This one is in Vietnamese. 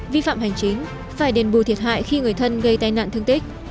vi phạm hành chính phải đền bù thiệt hại khi người thân gây tai nạn thương tích